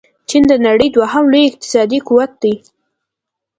چين د نړۍ دوهم لوی اقتصادي قوت دې.